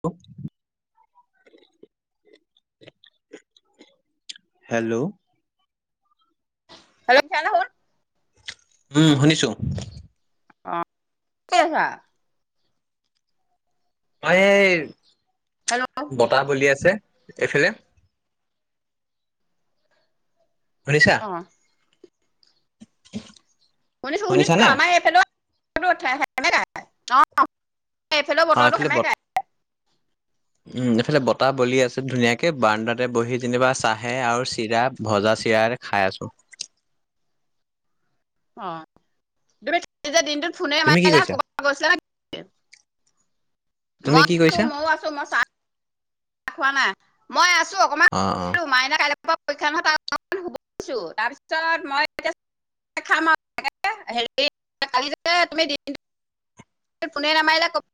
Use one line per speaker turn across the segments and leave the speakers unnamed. Hello? Hello?
[unintelligible]
উম' শুনিছোঁ।
অ' ক'ত আছা?
অ' এই
হেল্ল'
বতাহ বলি আছে, এইফালে। শুনিছা?
অ'।
[unintelligible]
শুনিছোঁ, শুনিছোঁ,
শুনিছানে
আমাৰো এইফালেও [unintelligible] অ'। অ' এইফালে
অ
বতৰটো
বত
সেমেকাই।
উম, এইফালে বতাহ বলি আছে ধুনীয়াকে বাৰান্দাতে বহি যেনিবা চাহে আৰু চিৰা ভজা চিৰা খাই আছোঁ।
অ, তুমি যে দিনটোত ফোনে
তুমি কি
নামাৰিলা
কৈছা
কবাত গৈছিলা নেকি?
তুমি কি কৈছা?
মই চাহ খোৱা নাই, মই আছোঁ অকণমা
অ অ।
মাইনা কাইলৈপৰা পৰীক্ষাৰ নহয় তাকে অকনমান শুব দিছোঁ তাৰপিছত মই এতিয়া খাম আৰু [unintelligible] হেৰি কালি ‌যে তুমি দি এ ফুনে নামাৰিলা ক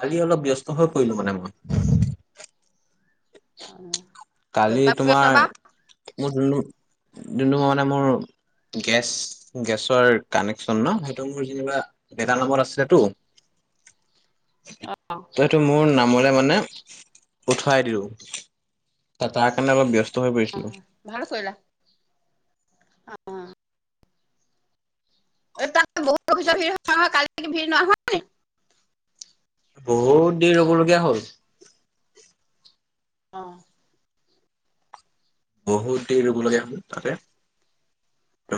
কালি অলপ ব্যস্ত হৈ পৰিলোঁ মানে মই।
অ।
কালি তোমাৰ মোৰ যোনটো, যোনটো মানে মোৰ গেছ গেছৰ কানেকচন ন সেইটো মোৰ যেনিবা দেউতাৰ নামত আছিলেটো। ত
অ
সেইটো মোৰ নামলে মানে উঠোৱাই দিও। তা তাৰ কাৰণে অলপ ব্যস
অ ভাল কৰিলা। অ। এ তাত বহুত পিছৰ ভিৰ হয় নহয় কালি ভিৰ নহয়
বহুত দেৰি ৰব লগীয়া হ'ল।
অঁ।
বহুত দেৰি ৰবলগীয়া হ'ল তাতে।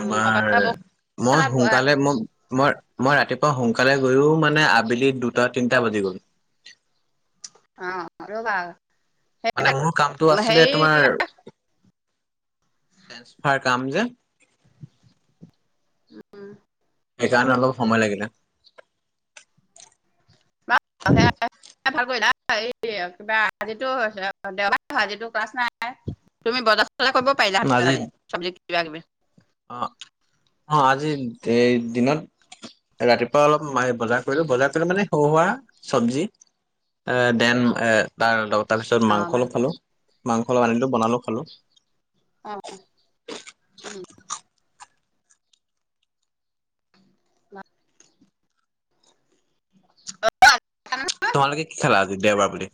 উম তাৰপৰা বহুত
মই সোনকালে মোক মই মই ৰাতিপুৱা সোনকালে গৈও মানে আবেলি দুটা, তিনিটা বাজি গ'ল।
অ ৰ'বা।
মানে মোৰ কামটো আছিলে
হেৰি
তোমাৰ
কিবা
তেনছপাৰ কাম যে।
উম।
সেইকাৰণে অলপ সময় লাগিলে।
[unintelligible] ভাল কৰিলা এই কিবা আজি‌টো দেওবাৰ হয়, আজি ক্লাছ নাই। তুমি বজাৰ চজাৰ কৰিব পাৰিলা
আজি
হয় ছব্জি কিবা কিবি।
অ, অ আজি এই দিনত ৰাতিপুৱা অলপ ম‌ই বজাৰ কৰিলোঁ, বজাৰ কৰিলোঁ মানে সৰু সুৰা চবজি। এ দেন এ তাৰ ল তাৰ পিছত
অ
মাংস
ভাল
অলপ
কৰিলা
খালো, মাংস অলপ আনিলো বনালো খালো।
অ। উম। [unintelligible]
তোমালোকে কি খালা আজি দেওবাৰ বুলি?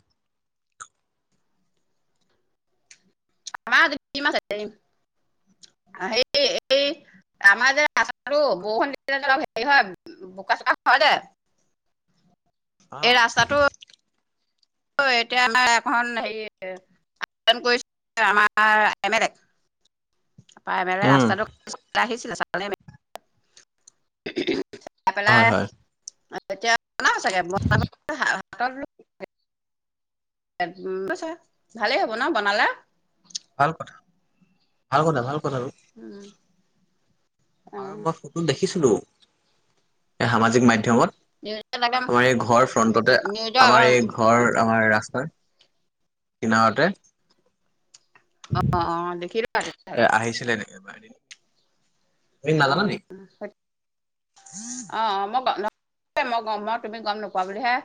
আমাৰ আজি [unintelligible] অ সেই এই আমাৰ যে [unintelligible] বৰষুণ দিল অলপ হেৰি হয় বোকা চোকা হয় দে।
অ
এই ৰাস্তাটো
[inaudible]
অ এতিয়া আমাৰ এখন হে [unintelligible] কৰি আমাৰ এম এল এ অ এম এল এৰ
উম
ৰাস্তাটো আহিছিলে [unintelligible]
হয়
আপোনাৰ,
হয়
এতিয়া চাগে [unintelligible] হাতত, ছা ভালেই হ'ব ন বনালা,
ভাল কথা ভাল কথা ভাল কথা আৰু
উম,
আৰু মই ফটো দেখিছিলো এই সামাজিক মাধ্যয়মত,
নিউজত একদম
আমাৰ এই ঘৰ ফ্ৰন্টতে
নিউজৰ
আমাৰ এই ঘৰ আমাৰ ৰাস্তাৰ, কিনাৰতে।
অ অ দেখি,
এ আহিছিলে নেকি দিন, তুমি
অ
নাজানা
অ
[inaudible]
অ মই মই গম মই তুমি গম নোপোৱা বুলিহে।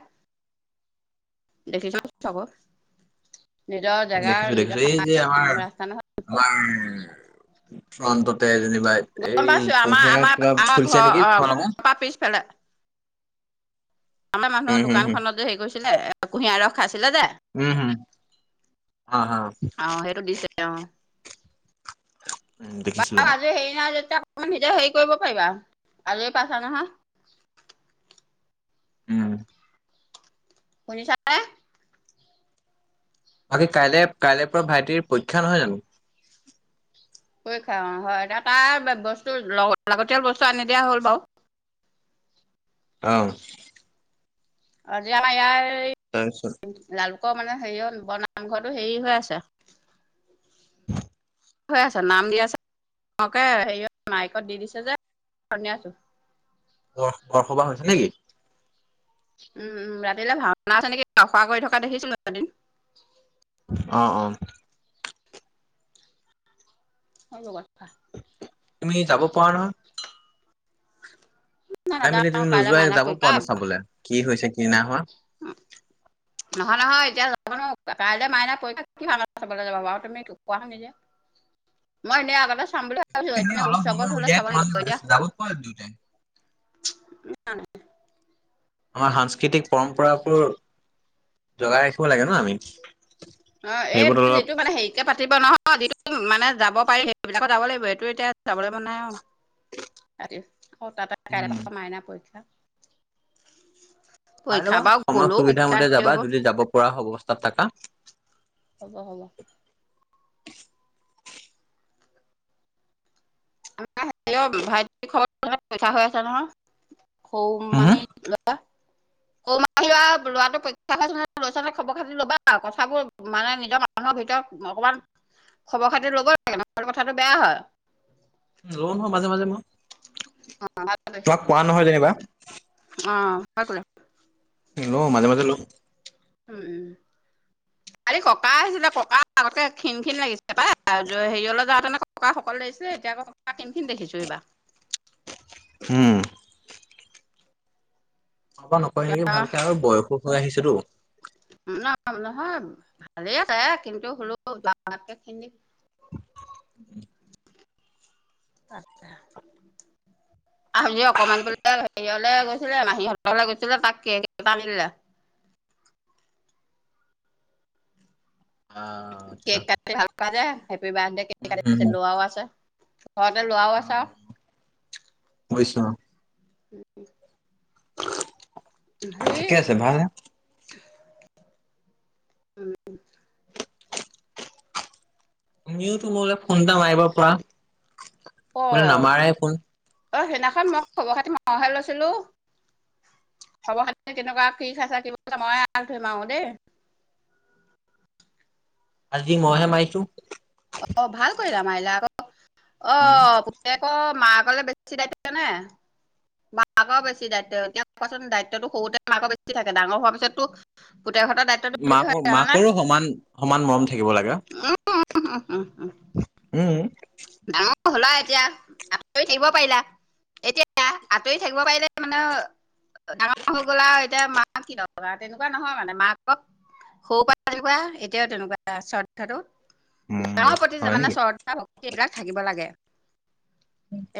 দেখিছ খবৰ,
দেখিছো দেখিছো এই যে আমাৰ
ৰাস্তা নহয়
আমাৰ ফ্ৰটতে যেন,
গম
এই
পাইছো আমাৰ
কুঁহিয়াৰ
আমাৰ
কিবা খুলিছে নেকি তোমাৰ লোকৰ,
আমাৰ পিছত ফালে, আমাৰ মানুহৰ
উম
জনৰ
হম হম
দোকানখনত যে হেৰি কৰিছিলে কুঁহিয়াৰস খাইছিলে যে,
উম হুম, হা হা,
অ সেইটো দিছে অ
উম
বা
দেখিছিলো মই
আজি হেৰি নাই যেতিয়া। নিজে হেৰি কৰিব পাৰিবা আজৰি পাইচা নহয়।
উম,
শুনিছা নে।
কাইলে কাইলৈৰ পৰা ভাইটিৰ পৰীক্ষা নহয় জানো।
পৰিক্ষা অ হয় তাৰ বস্তু লাগতিয়াল বস্তু আনি দিয়া হ'ল বাৰু
অ,
অজিাৰ আমাৰ ইয়াৰ,
তাৰ পিছত,
লালুকৰ মানে হেৰিয় বৰ নামঘৰটো হেৰি হৈ আছে। হৈ আছে নাম দি আছে তকে হেৰি মাইকত দি দিছে যে আছো,
বৰ বৰসবাহ হৈছে নেকি,
উম উম ৰাতিলে ভাওনা আছে নেকি আখৰা কৰি থকা দেখিছো এদিন।
অ অ,
[unintelligible]
তুমি যাব পৰা নহয়। খাই মেলি তে
নাযাওঁ কাইলৈ
নোযোৱাই
মাইনা
যাব
পৰীক্ষা
পৰাটো চাবলৈ কি হৈছে কি নাই হোৱা।
নহয় নহয় এতিয়া যাব নো কাইলৈ মাইনা পৰীক্ষা কি ভাওনা চাবলৈ যাব আৰু তুমি। কোৱাখিনি যে মই এনেই আগতে চাম বুলি ভাবি, এই
এনে
দিনা
অলপ
চাব
সময়
হলে
উলিয়াই
চাব লাগিব
তোমালোক
এতিয়া
যাব পৰা দুয়োটাই।
হা।
আমাৰ সাংস্কৃতিক পৰম্পৰাবোৰ জগাই ৰাখিব লাগে ন আমি।
অ এই
সেইবোৰত অলপ
যেইটো মানে হেৰি। এয়া পাতিব নহয় যি মানে যাব সেইবিলাকত যাব লাগিব সটো এতিয়া যাব নাই অ। অ তাতে কাইলৈ
উম
পৰা মাইনা পৰীক্ষা।
চাই
পৰীক্ষা
ল'বা
বাৰু
সময়
গ'লেও
সুবিধা
পৰীক্ষা
মতে
হেৰি
যাবা
হ'ব
যদি যাব পৰা অৱস্থাত থাকা।
হ'ব হ'ব [unintelligible] [unintelligible] আছে নহয়। সউ
হুম
মাহি
হুম
ল'ৱা। [unintelligible] [unintelligible] ল'ৱাটো পইক্ষা হৈছ ন [unintelligible] খবৰ খাতি ল'বা আউ কথাবোৰ মানে নিজৰ মানুহৰ ভিতৰত অকমান খবৰ খাতি ল'ব লাগে ন'হলে কথাটো বেয়া হয়।
লওঁ নহয় মাজে মাজে মই।
অ ভাল
তোমাক কোৱা নহয় যেনিবা
[unintelligible]
লওঁ মাজে মাজে লওঁ।
উম।
[inaudible]
কালি ককা আহিছিলে ককা আগতকে খিন খিন লাগিছে। হেইৱলে যাওঁতেন আকৌ [unintelligible] শকত লাগিছিলে এতিয়া আকৌ [unintelligible] খিন খিন দেখিছোঁ এইবা
উম। [unintelligible] নকৰে নেকি
এতিয়া
ভালকে আৰু বয়সো হৈ আহিছেতো।
ন নহয় ভালেই আছে কিন্তু হ'লওে [unintelligible] [inaudible]
[inaudible]
আজি অকমান বোলে হেৰিয়লে গৈছিলে মাহীহঁতৰ [unintelligible] গৈছিলে তাক কেক এটা দিলে।
আহ আচ্ছা
কেক কাটি ভাল পাই যে হেপিবাতডে কেক
উম হুম
[unintelligible]
হুম।
ল'ৱাও আছে। ঘৱতে লোৱা ওআছে আউ।
বুইছো অ।
উম, উম। হেই।
[inaudible]
উম।
তুমিওতো মোৰলে ফোন এটা মাৰিব পাৰা।
অ
মোলৈ নামাৰাই ফোন।
'অ সেইদিনাখন মই খবৰ খাতি ম খাই লৈছিলো। খবৰ খাতি কেনেকুৱা কি খাইছা [unintelligible] ধয়িম আউ দেই।
আজি
খবৰ
মইহে
খাতি
মাইচো।
অ ভাল কৰিলা মাইলা আকৌ অ আকৌ মা গ'লে [unintelligible] নে? মাকৰ বেছি দায়িত্ব এতিয়া কোৱাচোন দায়িত্বতটো সৰুতে মাকৰ বেছি থাকে ডাঙৰ হোৱাৰ পিছতো পুতেহঁতৰ [unintelligible]
মাকৰ- মাকৰো সমান সমান মৰম থাকিব লাগে।
উম উমঃ উমঃ উমঃ।
উম।
ডাঙৰ হ'লা এতিয়া আঁতৰি থাকিব পাৰিলা। এতিয়া আঁতৰি থাকিব পাৰিলে মানে ডাঙৰ হৈ গ'লা আউ এতিয়া মা কি দৰকাৰ তেনেকুৱা নহয় মানে মাকক সৰু পা যেনেকুৱা এতিয়াও তেনেকুৱা [unintelligible] কথাটো
উম
ডাঙৰ প্ৰতি
হয়
যে মানে
নেকি?
শ্ৰদ্ধা ভক্তি এইবিলাক থাকিব লাগে।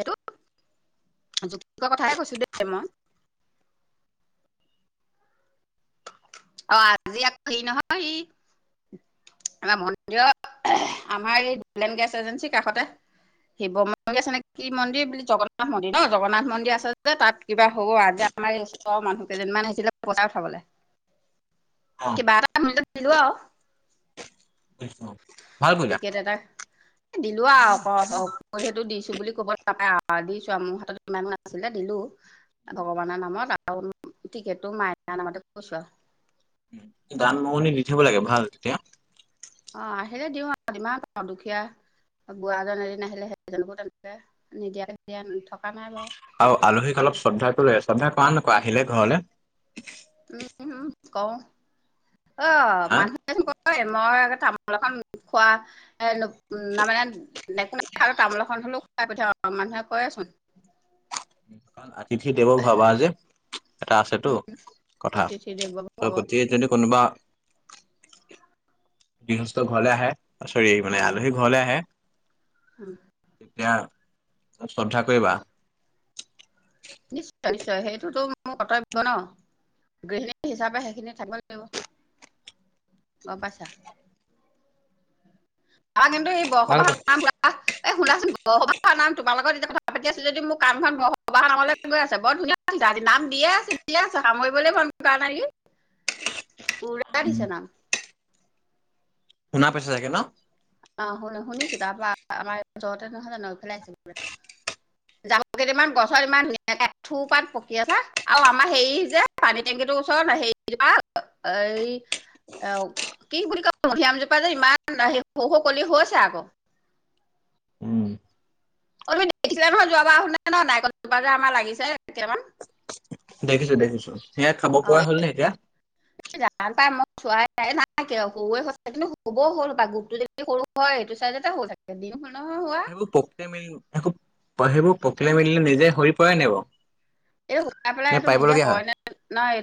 এইটো যুক্তিকৰ কথাহে কৈছোঁ দেই মই। অ' আজি আকৌ [unintelligible] নহয় সি আমাৰ মন্দিৰৰ আমাৰ এই মেইন গেছ এজেঞ্চি কাষতে শিৱ মন্দিৰ আছে নে কি মন্দিৰ বুলি জগন্নাথ মন্দিৰ ন' জগন্নাথ মন্দিৰ আছে যে তাত কিবা হ'ব আজি আমাৰ ওচৰৰ মানুহ কেইজনীমান আহিছিলে পইচা উঠাবলৈ।
অ'।
[inaudible]
বুজিছো ভাল কৰিলা
টিকেট এটা। দিলো আৰু সেইটো দিছো বুলি ক'ব নাপাই দিছো আৰু মোৰ হাতত যিমান আছিলে দিলো। ভগৱানৰ নামত আৰু টিকেটটো মায়াৰ নামতে কৰিছো আৰু।
দান মগনি দি থাকব লাগে ভাল তেতিয়া।
অ' আহিলে দিওঁ আৰু যিমান পাৰু দুখীয়া বুঢ়া এজন এদিন আহিলে সেইজনকো তেনেকে নিদিয়াকে থকা নাই বাৰু।
আৰু আলহীক অলপ শ্ৰদ্ধাটো শ্ৰদ্ধা কৰা নকৰা আহিলে ঘৰলৈ?
উমম কৰো। অ'
হা
মানুহ ঐ মই একে তামোল এখন খোৱা। [inaudible]
আতিথি দেৱ ভাবা যে এটা আছেতটো কথা
অতিথি দেৱ
ত'
ভৱ
গতিকে যদি কোনোৱা গৃহস্থ ঘৰলে আহে চৰি
অ
মানে আলহী ঘৰলে আহে
[inaudible]
তেতিয়া শ্ৰদ্ধা কৰিবা।
নিশ্চয় নিশ্চয় সেইটোতো মোৰ কৰ্তব্য ন'। গৃহিণী হিচাপে সেইখিনি থাকিবই লাগিব গম পাইছা। [inaudible]
ভাল কথা
এ শুনাচোন বৰসবাহাৰ নাম তোমাৰ লগত এতিয়া কথা পাতি আছোঁ যদি মোৰ কানখন বসবাহাৰ নামলৈ গৈ আছে বৰ ধুনীয়া আজি নাম দিয়ে আছে দিয়ে আছ সামৰিবলৈ মন কৰা নাই নেকি।
[unintelligible]
পুৰা দিছে নাম।
শুনা পাইছা চাগে ন?
অ' শুন শুনিছো তাৰপৰা আমাৰ ওচৰতে নহয় জানো এইফালে
[unintelligible]
জালুক কেইটামান গছত ইমান ধুনীয়াকে এ থোপাত পকি আছে আৰু আমাৰ হেৰি যে পানী টেংকিটোৰ ওচৰত হেৰি এই অ' কি বুলি কয় মধুৰী আমজোপা যে ইমান সৰু সৰু কলি হৈছে আকৌ।
উম
অ' তুমি দেখিছিলা নহয় যোৱাবাৰ আহোতে ন নাৰিকল জোপা যে আমাৰ লাগিছে কেইটামান
দেখিছোঁ দেখিছোঁ সেয়া খাব পৰা হ'ল নে এতিয়া?
জানো পাই মই চোৱাই নাই কিয় সৰুৱে হৈ আছে কিন্তু হ'বও হ'ল বা গোপটো দেখি সৰু হয় হৈ হেয়তো চাইদতে হ'ব চাগে দিন হ'ল নহয় হোৱা।
সেইবোৰ পকিলে মেলিলে নিজে সৰি পৰে নেকি বাৰু?
এই শুকাই পেলাই
নে
এইটো নিজে
পাৰিবলগীয়া হয়?
পৰে নে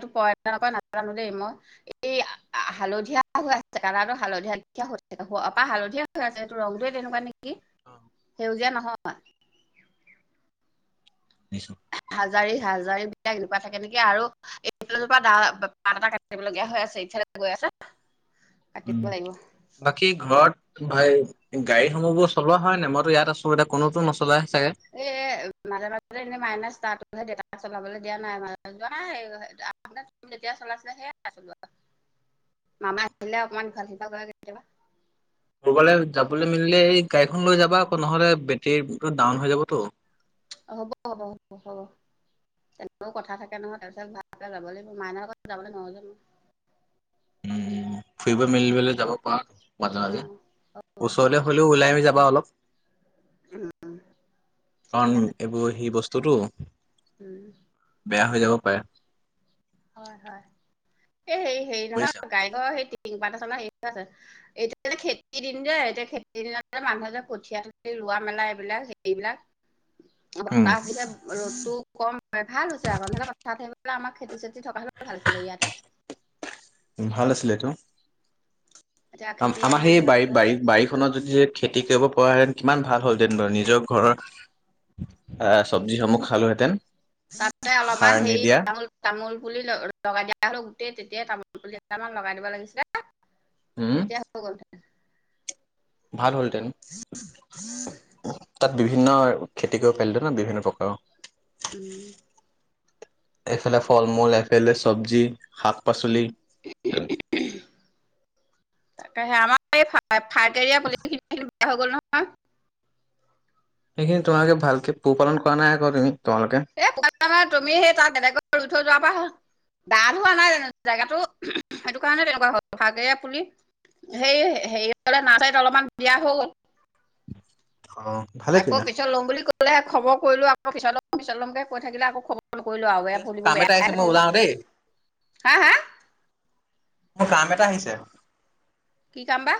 নপৰে নাজানো দেই মই। এই হালধীয়া হৈ আছে কালাৰটো হালধীয়া হালধীয়া হয় আছে হৈ আছে এইটো ৰং টোৱেই তেনেকুৱা নেকি?
অ'।
সেউজীয়া নহয়।
বুজিছোঁ
হাজাৰী, হাজাৰী বিলাক এনেকুৱা থাকে নেকি আৰু এই ফাল পৰা দা পাত এটা কাটি দিব লগীয়া হৈ আছে ইফাল গৈ আছে। কাটিব
উম,
লাগিব
বাকী ঘৰত ভাই গাড়ীসমূহ বোৰ চলোৱা হয় নাই? মইতো ইয়াত আছোঁ, এতিয়া কোনোতো নচলাই চাগে।
এ মাজে মাজে এনেই মাইনাছ ষ্টাৰ্টতোহে দিয়ে তাক চলাবলৈ দিয়া নাই [unintelligible] যেতিয়া চলাইছিলে সেয়াই আৰু চলোৱা। মামা আহিলে অকমান ইফাল সিফাল কৰে কেত
ক'ৰবালে যাবলে মেলিলে এই গাড়ীখন লৈ যাবা আকৌ নহলে বেটেৰীটো ডাউন হৈ যাবতো।
হ'ব, হ'ব, হ'ব, হ'ব। তেনেকেও কথা থাকে নহয়, তাৰপিছত ভালকে যাব লাগিব মানুহ আগত যাবলে নহলে নোৱাৰোঁ যে মই।
উম, ফুৰিব মেলিবলে যাব পাৰা। মাজে, মাজে।
অ
ওচৰলে হ'লেও ওলাই মেলি যাবা অলপ। কাৰণ
ঠিক আছে
এইবোৰ হেই বস্তুটো।
উম।
বেয়া হৈ যাব পাৰে।
হয়, হয়। এই হে হেৰি নহয়
বুজিছা।
গাড়ি ঘৰৰ সেই টিন পাত এচলা হেৰি হৈ আছে। এতিয়া খেতিৰ দিন যে এতিয়া খেতিৰ দিনত যে মানুহে যে কঠিয়া তুলি ৰোৱা মেলা এইবিলাক হেৰিবিলাক
উম,
বতাহ আহিলে ৰ'দটো কম হয় হৈছে ভাল হৈছে আকৌ, ন'ৰলে আমাৰ খেতি, চেতি থকা হ'লেও ভাল আছিলে ইয়াতে।
উম, ভাল আছিলেটো।
এতিয়া খেতি ইয়াত
আম-আমাৰ
নাই
সেই
নহয় আকৌ
বাৰী-বাৰী-বাৰী খনত যদি খেতি কৰিব পৰা হেঁতেন কিমান ভাল হ'ল হেঁতেন বাৰু নিজৰ ঘৰৰ আ চব্জিসমূহ খালোহেঁতেন।
তাতে
সাৰ
অলপমান হেৰি
নিদিয়া
তামোল তামোল পুলি ল-লগাই দিয়া হ'লেও গোটেই তেতিয়াই তামোল পুলি এহেজা মান লগাই দিব লাগিছিলে।
উম
এতিয়া হৈ গ'ল হেতেন।
ভাল হ'ল
[unintelligible]
তাত বিভিন্ন খেতি কৰিব পাৰিলো হেঁতেন ন, বিভিন্ন প্ৰকাৰৰ।
উম
এইফালে ফল মূল, এইফালে চব্জি, শাক পাচলি।
তাকহে, আমাৰ এই ফা-ফাইটেৰিয়া পলিথিন খিনি বেয়া হৈ গ'ল নহয়।
সেইখিনি তোমোলোকে ভালকে পোহ পালন কৰা নাই আকৌ তুমি, তোমালোকে।
এ [unintelligible] তুমি হেই তাত বেলেগত ৰুই থৈ যোৱা পা হ'ল। ডাঠ হোৱা নাই জানোঁ তিতা গাতো, সেইটো কাৰণে তেনেকুৱা হয'ল। ভাগে পুলি হেই হে-হেৰি ফালে নাচাৰিত অলপমান দিয়া হৈ গ'ল।
অ'। ভালে
আকৌ
কৰিলা
পিছত ল'ম বুলি ক'লেহে খবৰ কৰিলোঁ আকৌ পিছত ল'ম, পিছত ল'মকে কৈ থাকিলে আকৌ খব ফোন কৰিলোঁ আৰু বেয়া
ঠিক আছে মোৰ
পুলিবোৰ
কাম এটা
বেয়াহে
আহিছে
হৈ
মই
থাকিব।
ওলাও দেই
হা, হা?
মোৰ কাম এটা আহিছে।
কি কাম বা?